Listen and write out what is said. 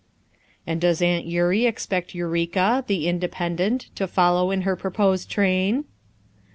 "And does Aunt Eurie expect Eureka, the independent, to follow in her proposed train?"